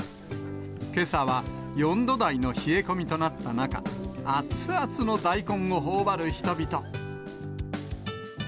けさは４度台の冷え込みとなった中、熱々の大根をほおばる人々。